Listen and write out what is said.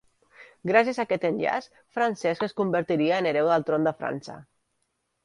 Gràcies a aquest enllaç, Francesc es convertiria en hereu al tron de França.